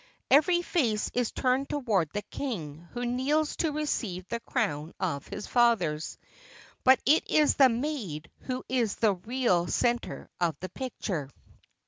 Every face is turned toward the king, who kneels to receive the crown of his fathers. But it is the Maid who is the real center of the picture.